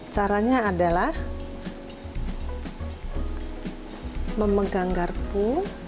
caranya adalah memegang garpu